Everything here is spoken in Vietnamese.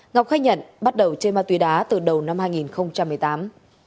ngọc khách nhận bắt đầu chơi ma túy đá từ đầu năm hai nghìn một mươi tám